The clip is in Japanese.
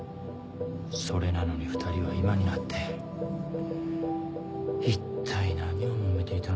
それなのに２人は今になっていったい何をもめていたのか。